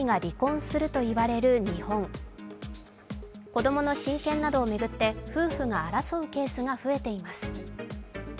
子供の親権などを巡って夫婦が争うケースが増えています。